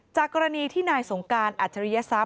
จากกรณีที่นายสงการอาจารยศทราบ